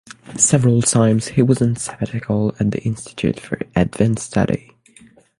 Several times he was on sabbatical at the Institute for Advanced Study.